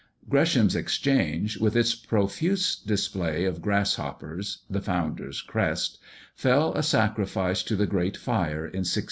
Gresham's Exchange, with its profuse display of grasshoppers the founder's crest fell a sacrifice to the great fire in 1666.